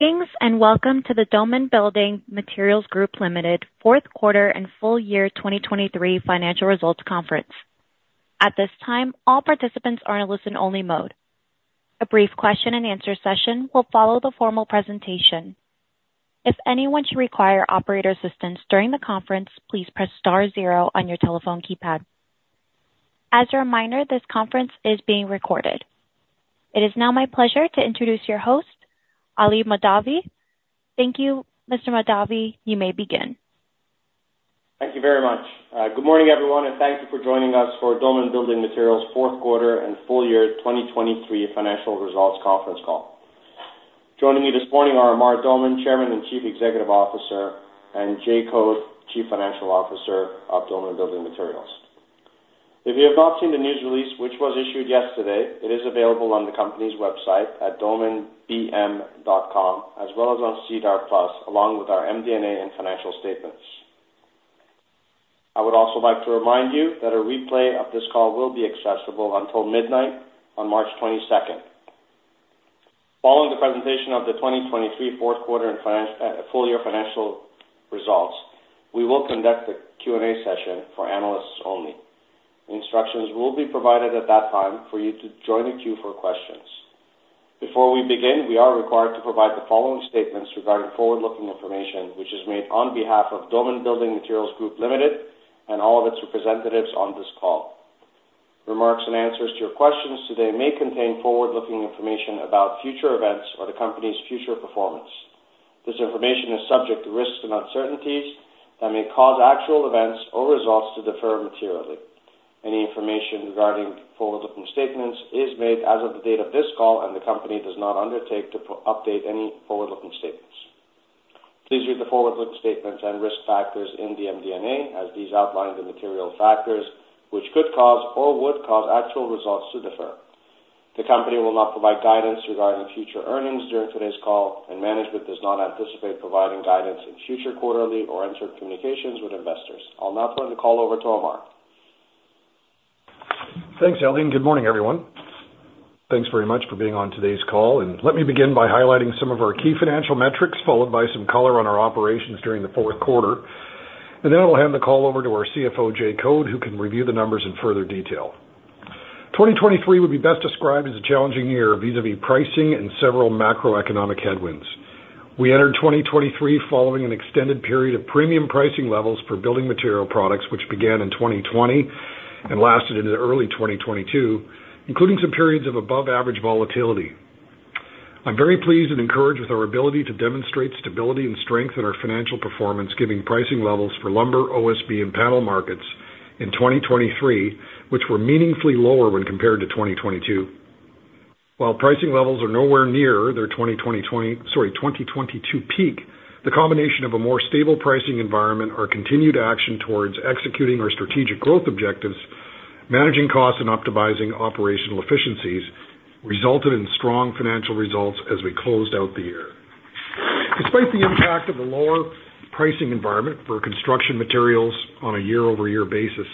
Thanks and welcome to the Doman Building Materials Group Ltd. fourth quarter and full year 2023 financial results conference. At this time, all participants are in a listen-only mode. A brief question-and-answer session will follow the formal presentation. If anyone should require operator assistance during the conference, please press star 0 on your telephone keypad. As a reminder, this conference is being recorded. It is now my pleasure to introduce your host, Ali Mahdavi. Thank you, Mr. Mahdavi. You may begin. Thank you very much. Good morning, everyone, and thank you for joining us for Doman Building Materials' fourth quarter and full year 2023 financial results conference call. Joining me this morning are Amar Doman, Chairman and Chief Executive Officer, and Jay Code, Chief Financial Officer of Doman Building Materials. If you have not seen the news release which was issued yesterday, it is available on the company's website at domanbm.com as well as on SEDAR+, along with our MD&A and financial statements. I would also like to remind you that a replay of this call will be accessible until midnight on March 22nd. Following the presentation of the 2023 fourth quarter and full year financial results, we will conduct the Q&A session for analysts only. Instructions will be provided at that time for you to join the queue for questions. Before we begin, we are required to provide the following statements regarding forward-looking information which is made on behalf of Doman Building Materials Group Ltd. and all of its representatives on this call. Remarks and answers to your questions today may contain forward-looking information about future events or the company's future performance. This information is subject to risks and uncertainties that may cause actual events or results to differ materially. Any information regarding forward-looking statements is made as of the date of this call, and the company does not undertake to update any forward-looking statements. Please read the forward-looking statements and risk factors in the MD&A as these outline the material factors which could cause or would cause actual results to differ. The company will not provide guidance regarding future earnings during today's call, and management does not anticipate providing guidance in future quarterly or interim communications with investors. I'll now turn the call over to Amar. Thanks, Ali. Good morning, everyone. Thanks very much for being on today's call. Let me begin by highlighting some of our key financial metrics followed by some color on our operations during the fourth quarter. Then I'll hand the call over to our CFO, Jay Code, who can review the numbers in further detail. 2023 would be best described as a challenging year vis-à-vis pricing and several macroeconomic headwinds. We entered 2023 following an extended period of premium pricing levels for building material products which began in 2020 and lasted into early 2022, including some periods of above-average volatility. I'm very pleased and encouraged with our ability to demonstrate stability and strength in our financial performance, given pricing levels for lumber, OSB, and panel markets in 2023 which were meaningfully lower when compared to 2022. While pricing levels are nowhere near their 2022 peak, the combination of a more stable pricing environment, our continued action towards executing our strategic growth objectives, managing costs, and optimizing operational efficiencies resulted in strong financial results as we closed out the year. Despite the impact of the lower pricing environment for construction materials on a year-over-year basis,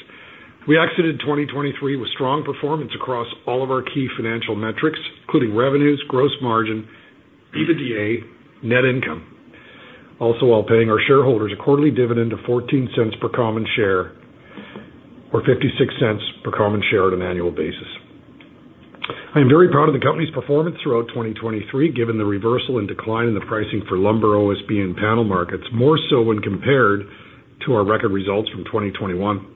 we exited 2023 with strong performance across all of our key financial metrics, including revenues, gross margin, EBITDA, net income, also while paying our shareholders a quarterly dividend of 0.14 per common share or 0.56 per common share on an annual basis. I am very proud of the company's performance throughout 2023 given the reversal and decline in the pricing for lumber, OSB, and panel markets, more so when compared to our record results from 2021.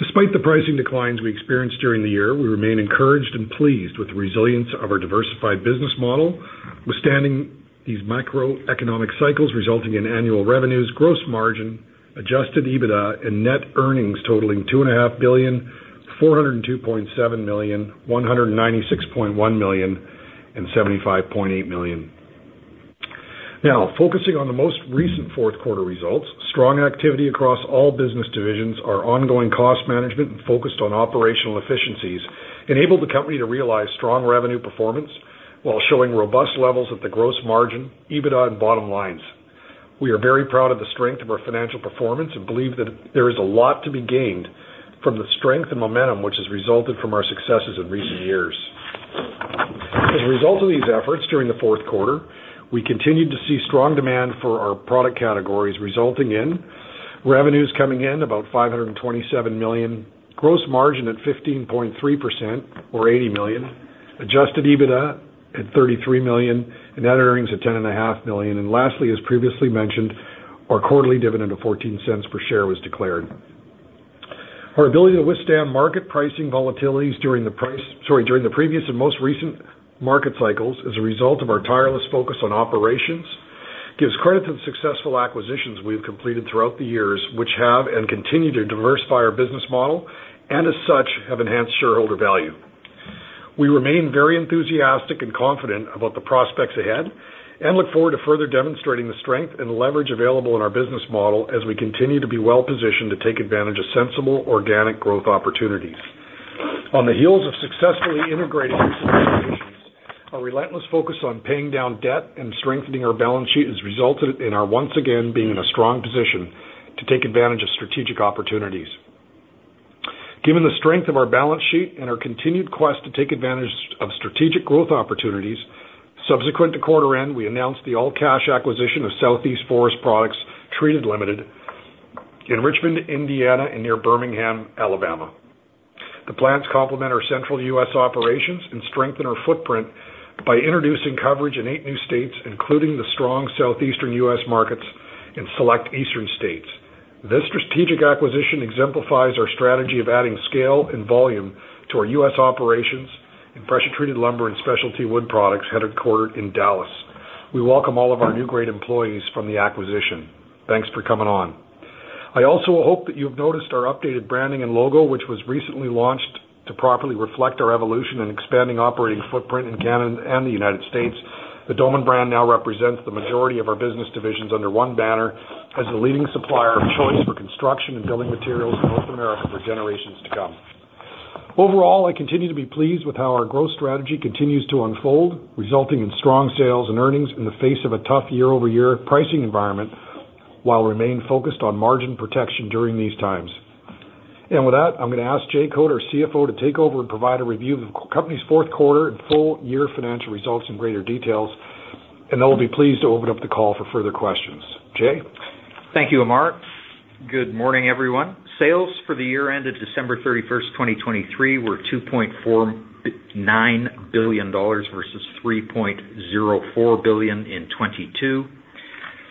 Despite the pricing declines we experienced during the year, we remain encouraged and pleased with the resilience of our diversified business model, withstanding these macroeconomic cycles resulting in annual revenues, gross margin, adjusted EBITDA, and net earnings totaling 2.5 billion, 402.7 million, 196.1 million, and 75.8 million. Now, focusing on the most recent fourth quarter results, strong activity across all business divisions, our ongoing cost management focused on operational efficiencies enabled the company to realize strong revenue performance while showing robust levels at the gross margin, EBITDA, and bottom lines. We are very proud of the strength of our financial performance and believe that there is a lot to be gained from the strength and momentum which has resulted from our successes in recent years. As a result of these efforts during the fourth quarter, we continued to see strong demand for our product categories, resulting in revenues coming in about 527 million, gross margin at 15.3% or 80 million, adjusted EBITDA at 33 million, and net earnings at 10.5 million. Lastly, as previously mentioned, our quarterly dividend of 0.14 per share was declared. Our ability to withstand market pricing volatilities during the previous and most recent market cycles as a result of our tireless focus on operations gives credit to the successful acquisitions we have completed throughout the years which have and continue to diversify our business model and, as such, have enhanced shareholder value. We remain very enthusiastic and confident about the prospects ahead and look forward to further demonstrating the strength and leverage available in our business model as we continue to be well-positioned to take advantage of sensible, organic growth opportunities. On the heels of successfully integrating recent acquisitions, our relentless focus on paying down debt and strengthening our balance sheet has resulted in our once again being in a strong position to take advantage of strategic opportunities. Given the strength of our balance sheet and our continued quest to take advantage of strategic growth opportunities, subsequent to quarter end, we announced the all-cash acquisition of Southeast Forest Products Treated, Ltd. in Richmond, Indiana, and near Birmingham, Alabama. The plants complement our central U.S. operations and strengthen our footprint by introducing coverage in eight new states, including the strong southeastern U.S. markets in select eastern states. This strategic acquisition exemplifies our strategy of adding scale and volume to our U.S. operations in pressure-treated lumber and specialty wood products headquartered in Dallas. We welcome all of our new great employees from the acquisition. Thanks for coming on. I also hope that you have noticed our updated branding and logo, which was recently launched to properly reflect our evolution and expanding operating footprint in Canada and the United States. The Doman brand now represents the majority of our business divisions under one banner as the leading supplier of choice for construction and building materials in North America for generations to come. Overall, I continue to be pleased with how our growth strategy continues to unfold, resulting in strong sales and earnings in the face of a tough year-over-year pricing environment while remaining focused on margin protection during these times. With that, I'm going to ask Jay Code, our CFO, to take over and provide a review of the company's fourth quarter and full year financial results in greater details. I will be pleased to open up the call for further questions. Jay? Thank you, Amar. Good morning, everyone. Sales for the year ended December 31st, 2023, were 2.49 billion dollars versus 3.04 billion in 2022,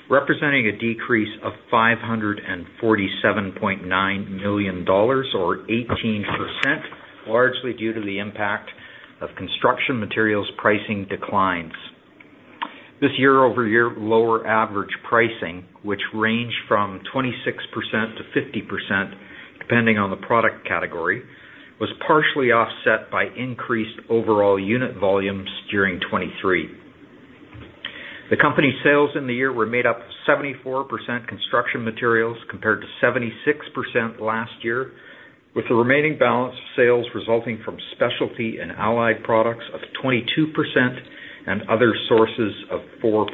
representing a decrease of 547.9 million dollars or 18%, largely due to the impact of construction materials pricing declines. This year-over-year lower average pricing, which ranged from 26%-50% depending on the product category, was partially offset by increased overall unit volumes during 2023. The company's sales in the year were made up of 74% construction materials compared to 76% last year, with the remaining balance of sales resulting from specialty and allied products of 22% and other sources of 4%.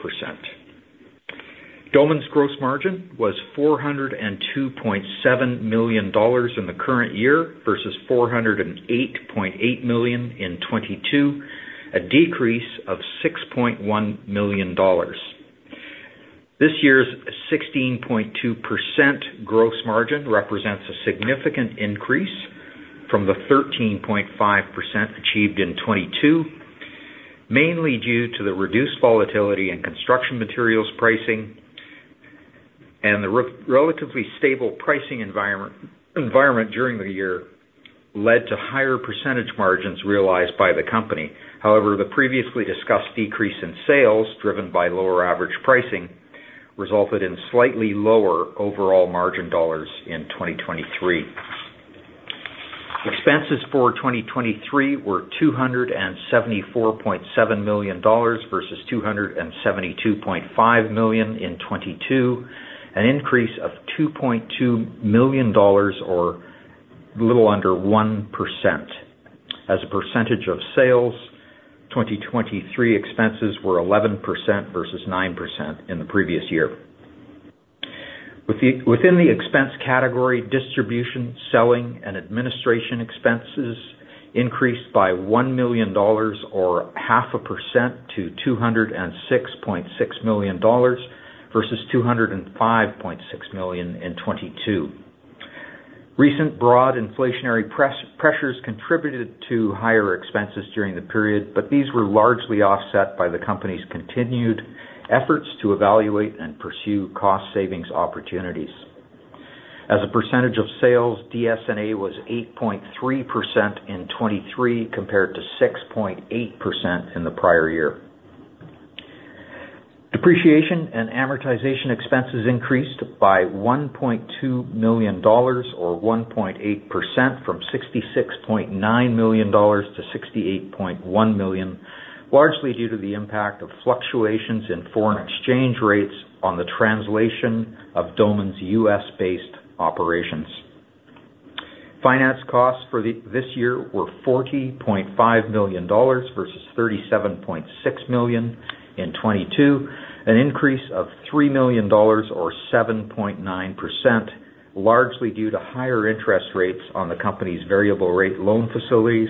Doman's gross margin was 402.7 million dollars in the current year versus 408.8 million in 2022, a decrease of 6.1 million dollars. This year's 16.2% gross margin represents a significant increase from the 13.5% achieved in 2022, mainly due to the reduced volatility in construction materials pricing and the relatively stable pricing environment during the year led to higher percentage margins realized by the company. However, the previously discussed decrease in sales driven by lower average pricing resulted in slightly lower overall margin dollars in 2023. Expenses for 2023 were 274.7 million dollars versus 272.5 million in 2022, an increase of 2.2 million dollars or a little under 1%. As a percentage of sales, 2023 expenses were 11% versus 9% in the previous year. Within the expense category, distribution, selling, and administration expenses increased by 1 million dollars or 0.5% to 206.6 million dollars versus 205.6 million in 2022. Recent broad inflationary pressures contributed to higher expenses during the period, but these were largely offset by the company's continued efforts to evaluate and pursue cost-savings opportunities. As a percentage of sales, DS&A was 8.3% in 2023 compared to 6.8% in the prior year. Depreciation and amortization expenses increased by 1.2 million dollars or 1.8% from 66.9 million dollars to 68.1 million, largely due to the impact of fluctuations in foreign exchange rates on the translation of Doman's U.S.-based operations. Finance costs for this year were 40.5 million dollars versus 37.6 million in 2022, an increase of 3 million dollars or 7.9%, largely due to higher interest rates on the company's variable-rate loan facilities,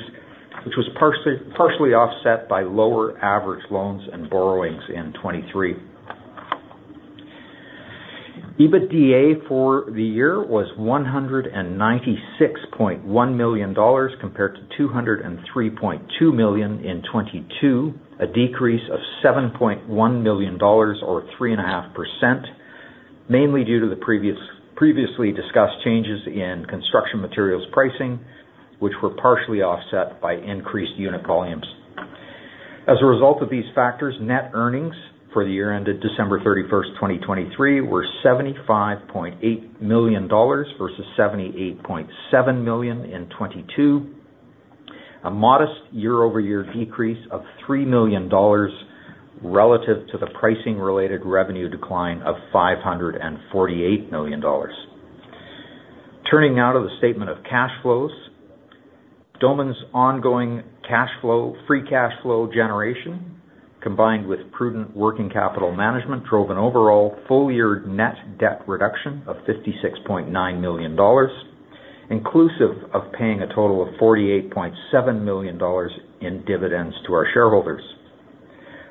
which was partially offset by lower average loans and borrowings in 2023. EBITDA for the year was 196.1 million dollars compared to 203.2 million in 2022, a decrease of 7.1 million dollars or 3.5%, mainly due to the previously discussed changes in construction materials pricing, which were partially offset by increased unit volumes. As a result of these factors, net earnings for the year ended December 31st, 2023, were 75.8 million dollars versus 78.7 million in 2022, a modest year-over-year decrease of 3 million dollars relative to the pricing-related revenue decline of 548 million dollars. Turning now to the statement of cash flows, Doman's ongoing free cash flow generation combined with prudent working capital management drove an overall full-year net debt reduction of 56.9 million dollars, inclusive of paying a total of 48.7 million dollars in dividends to our shareholders.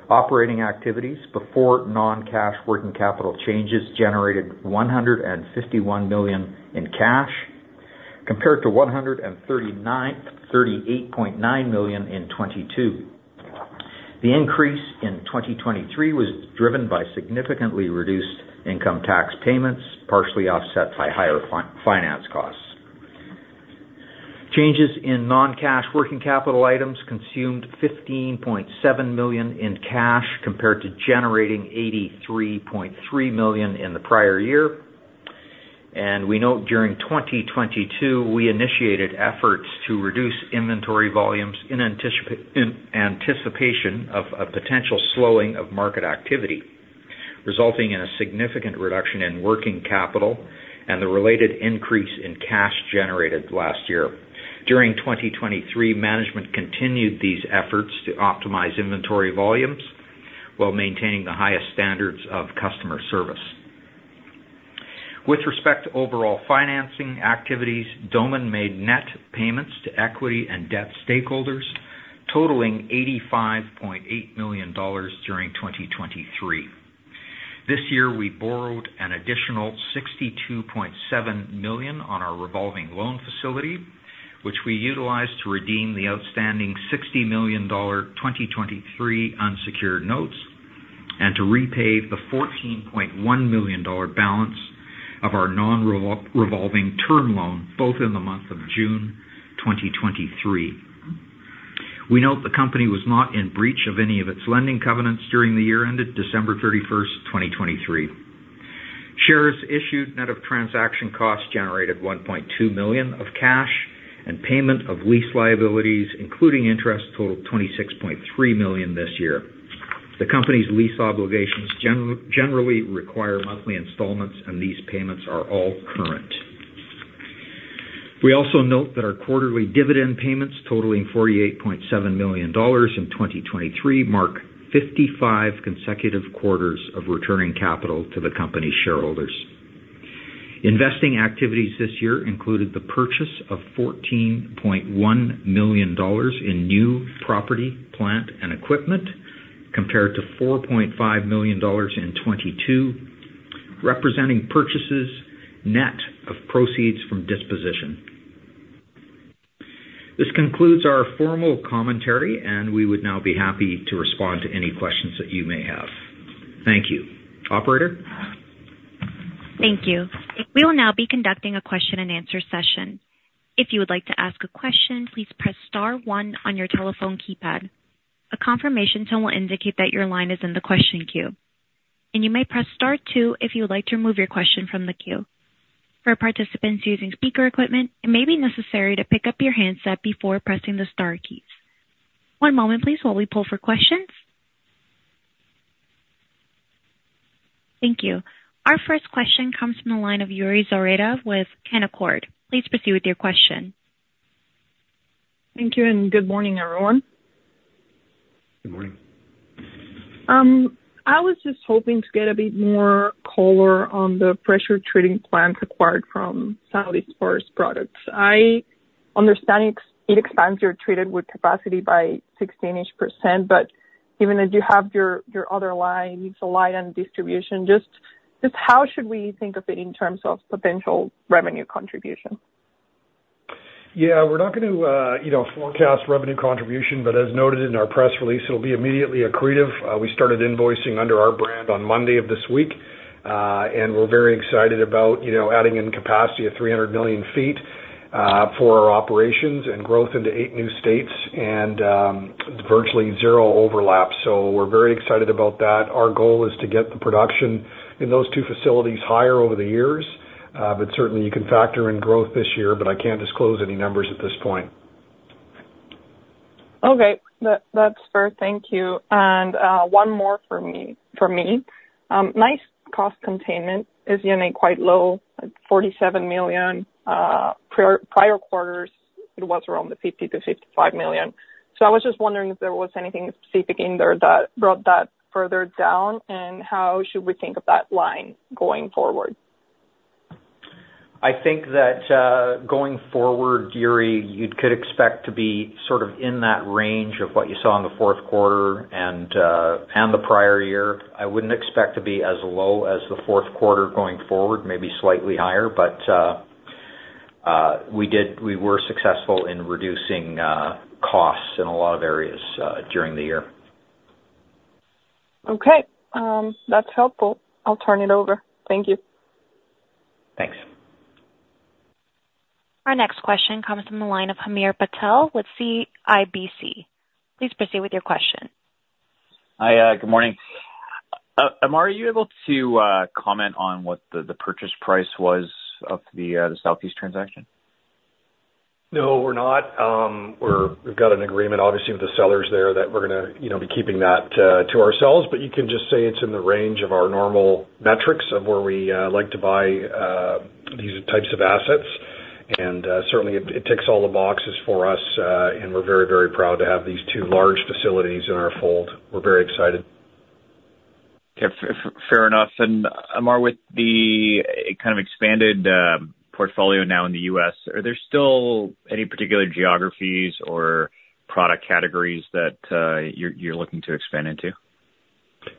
Operating activities before non-cash working capital changes generated 151 million in cash compared to 138.9 million in 2022. The increase in 2023 was driven by significantly reduced income tax payments, partially offset by higher finance costs. Changes in non-cash working capital items consumed 15.7 million in cash compared to generating 83.3 million in the prior year. We note during 2022, we initiated efforts to reduce inventory volumes in anticipation of a potential slowing of market activity, resulting in a significant reduction in working capital and the related increase in cash generated last year. During 2023, management continued these efforts to optimize inventory volumes while maintaining the highest standards of customer service. With respect to overall financing activities, Doman made net payments to equity and debt stakeholders, totaling 85.8 million dollars during 2023. This year, we borrowed an additional 62.7 million on our revolving loan facility, which we utilized to redeem the outstanding 60 million dollar 2023 unsecured notes and to repay the 14.1 million dollar balance of our non-revolving term loan both in the month of June 2023. We note the company was not in breach of any of its lending covenants during the year ended December 31st, 2023. Shares issued net of transaction costs generated 1.2 million of cash and payment of lease liabilities, including interest, totaled 26.3 million this year. The company's lease obligations generally require monthly installments, and these payments are all current. We also note that our quarterly dividend payments, totaling 48.7 million dollars in 2023, mark 55 consecutive quarters of returning capital to the company's shareholders. Investing activities this year included the purchase of 14.1 million dollars in new property, plant, and equipment compared to 4.5 million dollars in 2022, representing purchases net of proceeds from disposition. This concludes our formal commentary, and we would now be happy to respond to any questions that you may have. Thank you. Operator? Thank you. We will now be conducting a question-and-answer session. If you would like to ask a question, please press star one on your telephone keypad. A confirmation tone will indicate that your line is in the question queue. You may press star two if you would like to remove your question from the queue. For participants using speaker equipment, it may be necessary to pick up your handset before pressing the star keys. One moment, please, while we pull for questions. Thank you. Our first question comes from the line of Yuri Zoreda with Canaccord. Please proceed with your question. Thank you. Good morning, everyone. Good morning. I was just hoping to get a bit more color on the pressure-treating plants acquired from Southeast Forest Products. I understand it expands your treated wood capacity by 16-ish%, but given that you have your other line, LTL allied and distribution, just how should we think of it in terms of potential revenue contribution? Yeah. We're not going to forecast revenue contribution, but as noted in our press release, it'll be immediately accretive. We started invoicing under our brand on Monday of this week, and we're very excited about adding in capacity of 300 million feet for our operations and growth into eight new states and virtually zero overlap. So we're very excited about that. Our goal is to get the production in those two facilities higher over the years. But certainly, you can factor in growth this year, but I can't disclose any numbers at this point. Okay. That's fair. Thank you. And one more for me. Nice cost containment is in a quite low 47 million. Prior quarters, it was around the 50 million-55 million. So I was just wondering if there was anything specific in there that brought that further down and how should we think of that line going forward? I think that going forward, Yuri, you could expect to be sort of in that range of what you saw in the fourth quarter and the prior year. I wouldn't expect to be as low as the fourth quarter going forward, maybe slightly higher. But we were successful in reducing costs in a lot of areas during the year. Okay. That's helpful. I'll turn it over. Thank you. Thanks. Our next question comes from the line of Hamir Patel with CIBC. Please proceed with your question. Hi. Good morning. Amar, are you able to comment on what the purchase price was of the Southeast transaction? No, we're not. We've got an agreement, obviously, with the sellers there that we're going to be keeping that to ourselves. But you can just say it's in the range of our normal metrics of where we like to buy these types of assets. And certainly, it ticks all the boxes for us, and we're very, very proud to have these two large facilities in our fold. We're very excited. Fair enough. Amar, with the kind of expanded portfolio now in the U.S., are there still any particular geographies or product categories that you're looking to expand into?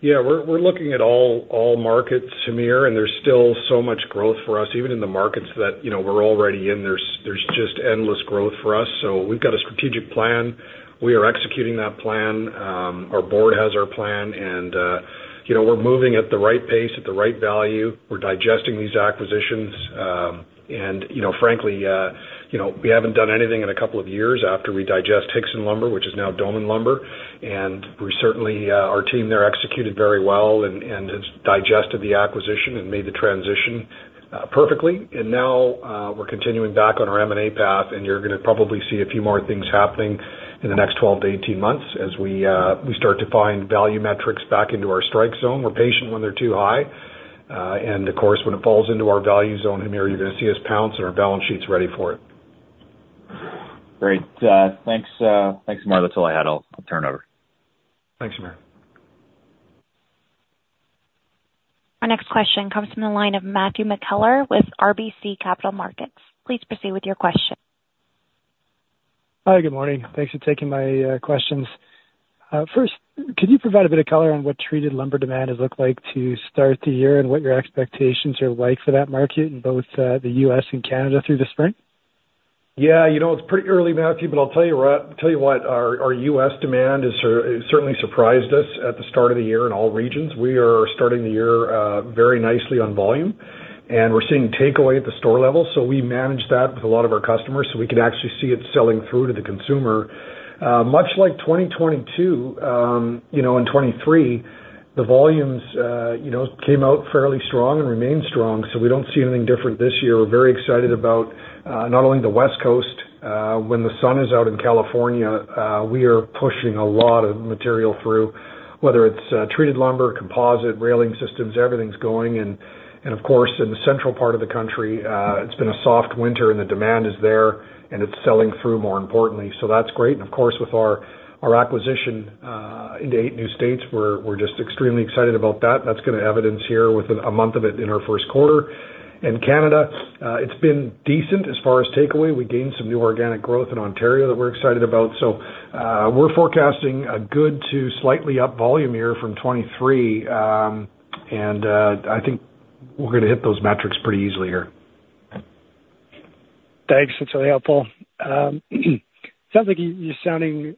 Yeah. We're looking at all markets, Hamir, and there's still so much growth for us, even in the markets that we're already in. There's just endless growth for us. So we've got a strategic plan. We are executing that plan. Our board has our plan, and we're moving at the right pace, at the right value. We're digesting these acquisitions. And frankly, we haven't done anything in a couple of years after we digested Hixson Lumber, which is now Doman Lumber. And our team there executed very well and has digested the acquisition and made the transition perfectly. And now, we're continuing back on our M&A path, and you're going to probably see a few more things happening in the next 12-18 months as we start to find value metrics back into our strike zone. We're patient when they're too high. Of course, when it falls into our value zone, Hamir, you're going to see us pounce, and our balance sheet's ready for it. Great. Thanks, Amar. That's all I had. I'll turn it over. Thanks, Hamir. Our next question comes from the line of Matthew McKellar with RBC Capital Markets. Please proceed with your question. Hi. Good morning. Thanks for taking my questions. First, could you provide a bit of color on what treated lumber demand has looked like to start the year and what your expectations are like for that market in both the U.S. and Canada through the spring? Yeah. It's pretty early, Matthew, but I'll tell you what. Our US demand has certainly surprised us at the start of the year in all regions. We are starting the year very nicely on volume, and we're seeing takeaway at the store level. So we manage that with a lot of our customers so we can actually see it selling through to the consumer. Much like 2022, in 2023, the volumes came out fairly strong and remain strong. So we don't see anything different this year. We're very excited about not only the West Coast. When the sun is out in California, we are pushing a lot of material through, whether it's treated lumber, composite, railing systems, everything's going. And of course, in the central part of the country, it's been a soft winter, and the demand is there, and it's selling through, more importantly. So that's great. Of course, with our acquisition into eight new states, we're just extremely excited about that. That's going to evidence here with a month of it in our first quarter. In Canada, it's been decent as far as takeaway. We gained some new organic growth in Ontario that we're excited about. So we're forecasting a good to slightly up volume year from 2023, and I think we're going to hit those metrics pretty easily here. Thanks. That's really helpful. Sounds like you're sounding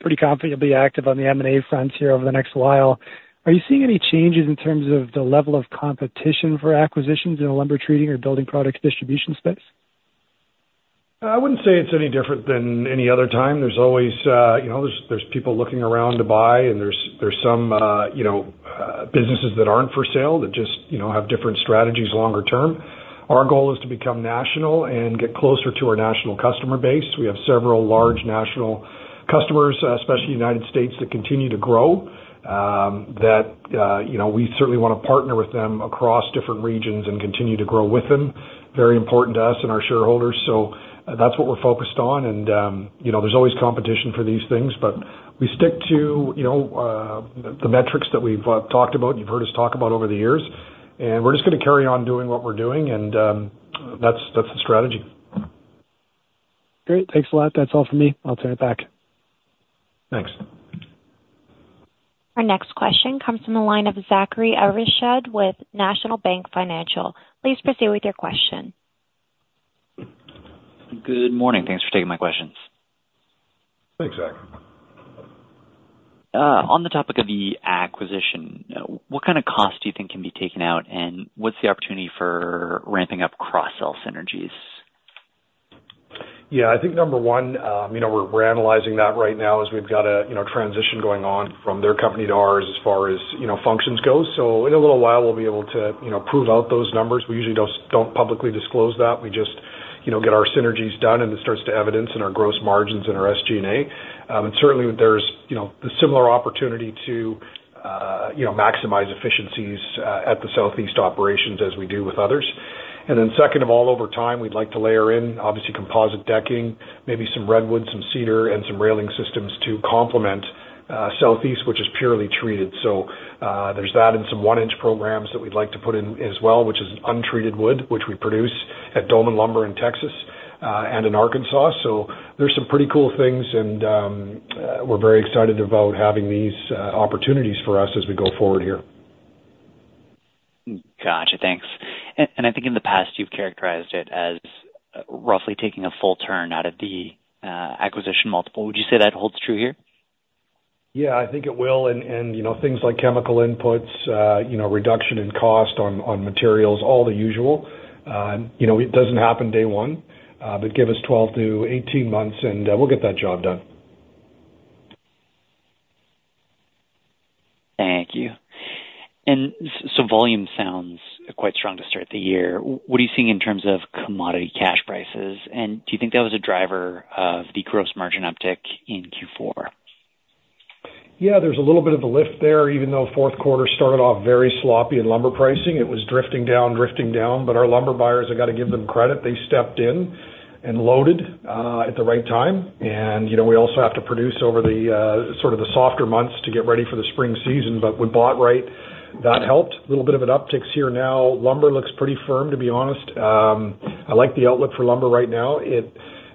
pretty confident you'll be active on the M&A fronts here over the next while. Are you seeing any changes in terms of the level of competition for acquisitions in the lumber treating or building products distribution space? I wouldn't say it's any different than any other time. There's always people looking around to buy, and there's some businesses that aren't for sale that just have different strategies longer term. Our goal is to become national and get closer to our national customer base. We have several large national customers, especially United States, that continue to grow. We certainly want to partner with them across different regions and continue to grow with them. Very important to us and our shareholders. That's what we're focused on. There's always competition for these things, but we stick to the metrics that we've talked about and you've heard us talk about over the years. We're just going to carry on doing what we're doing, and that's the strategy. Great. Thanks a lot. That's all from me. I'll turn it back. Thanks. Our next question comes from the line of Zachary Evershed with National Bank Financial. Please proceed with your question. Good morning. Thanks for taking my questions. Thanks, Zach. On the topic of the acquisition, what kind of costs do you think can be taken out, and what's the opportunity for ramping up cross-sell synergies? Yeah. I think number one, we're analyzing that right now as we've got a transition going on from their company to ours as far as functions go. So in a little while, we'll be able to prove out those numbers. We usually don't publicly disclose that. We just get our synergies done, and it starts to evidence in our gross margins and our SG&A. And certainly, there's the similar opportunity to maximize efficiencies at the Southeast operations as we do with others. And then second of all, over time, we'd like to layer in, obviously, composite decking, maybe some redwood, some cedar, and some railing systems to complement Southeast, which is purely treated. So there's that and some one-inch programs that we'd like to put in as well, which is untreated wood, which we produce at Doman Lumber in Texas and in Arkansas. There's some pretty cool things, and we're very excited about having these opportunities for us as we go forward here. Gotcha. Thanks. And I think in the past, you've characterized it as roughly taking a full turn out of the acquisition multiple. Would you say that holds true here? Yeah. I think it will. And things like chemical inputs, reduction in cost on materials, all the usual. It doesn't happen day one, but give us 12-18 months, and we'll get that job done. Thank you. Volume sounds quite strong to start the year. What are you seeing in terms of commodity cash prices? Do you think that was a driver of the gross margin uptick in Q4? Yeah. There's a little bit of a lift there. Even though fourth quarter started off very sloppy in lumber pricing, it was drifting down, drifting down. But our lumber buyers, I got to give them credit, they stepped in and loaded at the right time. And we also have to produce over sort of the softer months to get ready for the spring season, but we bought right. That helped. A little bit of an uptick's here now. Lumber looks pretty firm, to be honest. I like the outlook for lumber right now.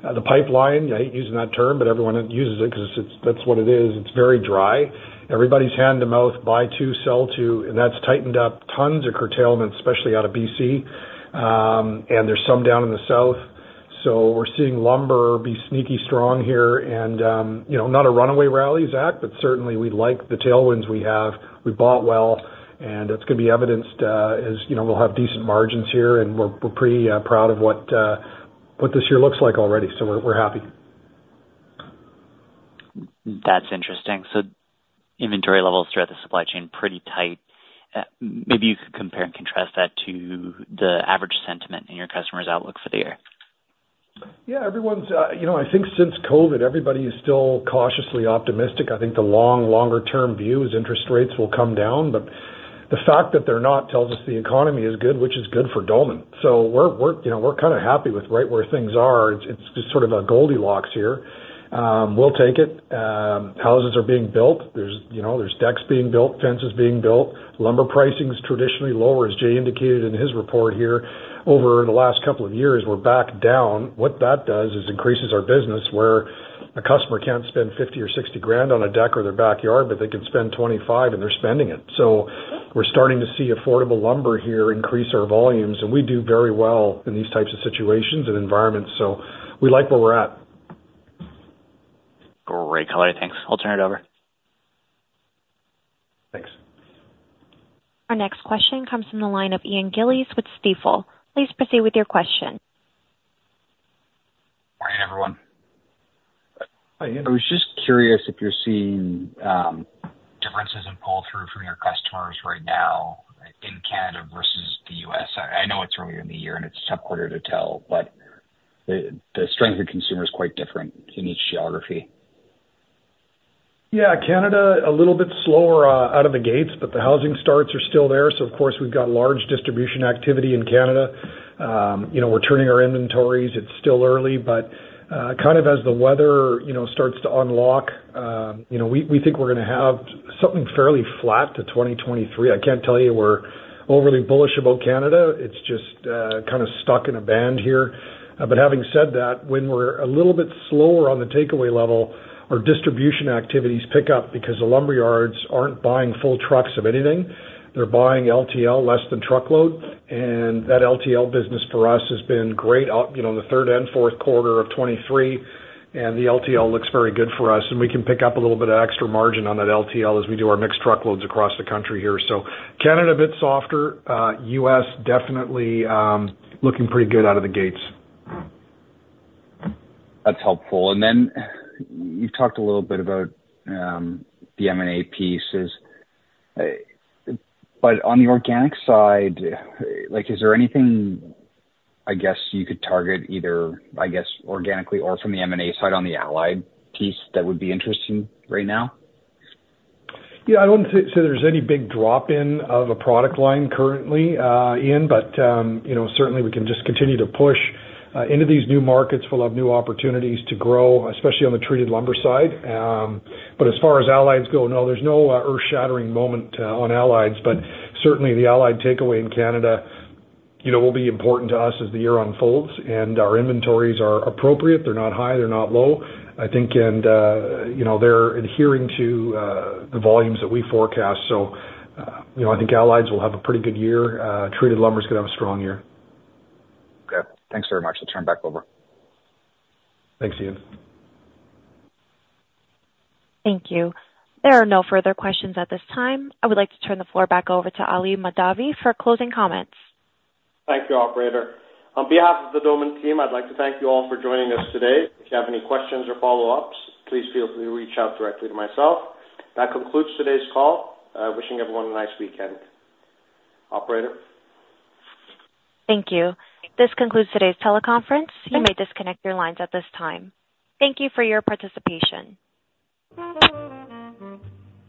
The pipeline, I hate using that term, but everyone uses it because that's what it is. It's very dry. Everybody's hand-to-mouth, buy-to, sell-to, and that's tightened up tons of curtailment, especially out of BC. And there's some down in the south. So we're seeing lumber be sneaky strong here. Not a runaway rally, Zach, but certainly, we like the tailwinds we have. We bought well, and that's going to be evidenced as we'll have decent margins here. We're pretty proud of what this year looks like already. We're happy. That's interesting. So inventory levels throughout the supply chain pretty tight. Maybe you could compare and contrast that to the average sentiment in your customer's outlook for the year. Yeah. I think since COVID, everybody is still cautiously optimistic. I think the longer-term view is interest rates will come down. But the fact that they're not tells us the economy is good, which is good for Doman. So we're kind of happy with right where things are. It's just sort of a Goldilocks here. We'll take it. Houses are being built. There's decks being built, fences being built. Lumber pricing is traditionally lower, as Jay indicated in his report here. Over the last couple of years, we're back down. What that does is increases our business where a customer can't spend $50,000 or $60,000 on a deck or their backyard, but they can spend $25,000, and they're spending it. So we're starting to see affordable lumber here increase our volumes. And we do very well in these types of situations and environments. So we like where we're at. Great, color. Thanks. I'll turn it over. Thanks. Our next question comes from the line of Ian Gillis with Stifel. Please proceed with your question. Morning, everyone. Hi, Ian. I was just curious if you're seeing differences in pull-through from your customers right now in Canada versus the US. I know it's earlier in the year, and it's tougher to tell, but the strength of consumer is quite different in each geography. Yeah. Canada, a little bit slower out of the gates, but the housing starts are still there. So of course, we've got large distribution activity in Canada. We're turning our inventories. It's still early. But kind of as the weather starts to unlock, we think we're going to have something fairly flat to 2023. I can't tell you we're overly bullish about Canada. It's just kind of stuck in a band here. But having said that, when we're a little bit slower on the takeaway level, our distribution activities pick up because the lumber yards aren't buying full trucks of anything. They're buying LTL, less than truckload. And that LTL business for us has been great in the third and fourth quarter of 2023, and the LTL looks very good for us. We can pick up a little bit of extra margin on that LTL as we do our mixed truckloads across the country here. Canada, a bit softer. U.S., definitely looking pretty good out of the gates. That's helpful. Then you've talked a little bit about the M&A pieces. On the organic side, is there anything, I guess, you could target either, I guess, organically or from the M&A side on the allied piece that would be interesting right now? Yeah. I wouldn't say there's any big drop-in of a product line currently, Ian, but certainly, we can just continue to push into these new markets. We'll have new opportunities to grow, especially on the treated lumber side. But as far as allied go, no, there's no earth-shattering moment on allied. But certainly, the allied takeaway in Canada will be important to us as the year unfolds. And our inventories are appropriate. They're not high. They're not low, I think. And they're adhering to the volumes that we forecast. So I think allied will have a pretty good year. Treated lumber is going to have a strong year. Okay. Thanks very much. I'll turn it back over. Thanks, Ian. Thank you. There are no further questions at this time. I would like to turn the floor back over to Ali Mahdavi for closing comments. Thank you, operator. On behalf of the Doman team, I'd like to thank you all for joining us today. If you have any questions or follow-ups, please feel free to reach out directly to myself. That concludes today's call. Wishing everyone a nice weekend, operator. Thank you. This concludes today's teleconference. You may disconnect your lines at this time. Thank you for your participation.